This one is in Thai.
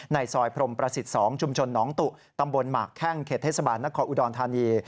ซอยพรมประสิทธิ์๒ชุมชนหนองตุตำบลหมากแข้งเขตเทศบาลนครอุดรธานี